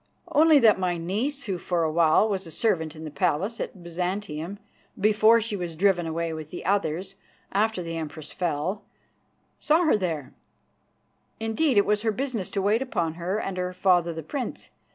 "Only that my niece, who for a while was a servant in the palace at Byzantium before she was driven away with others after the Empress fell, saw her there. Indeed, it was her business to wait upon her and her father the Prince.